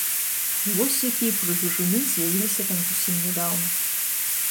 Вось якія прыгажуны з'явіліся там зусім нядаўна!